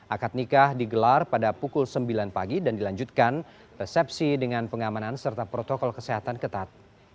akad nikah digelar pada pukul sembilan pagi dan dilanjutkan resepsi dengan pengamanan serta protokol kesehatan ketat